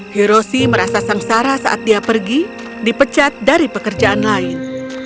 hiroshi merasa sengsara saat dia pergi dipecat dari pekerjaan lain